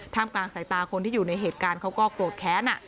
กลางสายตาคนที่อยู่ในเหตุการณ์เขาก็โกรธแค้น